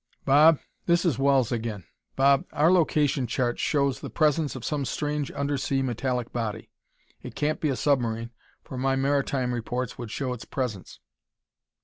"Bob? This is Wells again. Bob, our location chart shows the presence of some strange undersea metallic body. It can't be a submarine, for my maritime reports would show its presence.